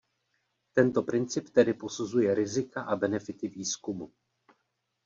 Tento princip tedy posuzuje rizika a benefity výzkumu.